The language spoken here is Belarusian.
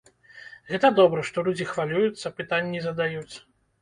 Гэта добра, што людзі хвалююцца, пытанні задаюць.